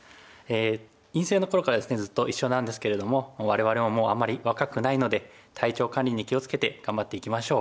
院生の頃からですねずっと一緒なんですけれどももう我々もあんまり若くないので体調管理に気を付けて頑張っていきましょう。